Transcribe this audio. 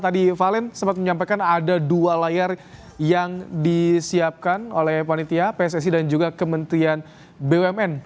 tadi valen sempat menyampaikan ada dua layar yang disiapkan oleh panitia pssi dan juga kementerian bumn